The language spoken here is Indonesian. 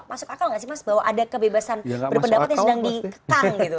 masuk akal nggak sih mas bahwa ada kebebasan berpendapat yang sedang dikekang gitu